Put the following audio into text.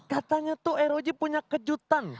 katanya tuh rog punya kejutan